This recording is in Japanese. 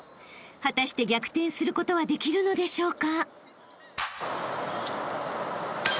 ［果たして逆転することはできるのでしょうか］